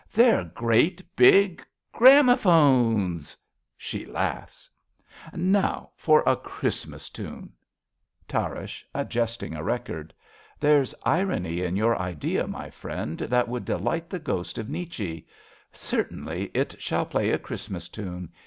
They're great big gramo phones ! {She laughs.) Now for a Christmas tune ! 48 A BELGIAN CHRISTMAS EVE Tarrasch {adjusting a record). There's irony In your idea, my friend, that would deUght The ghost of Nietzsche ! Certainly, it shall play A Christmas tune.